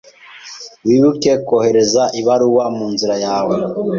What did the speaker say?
Wibuke kohereza ibaruwa munzira yawe.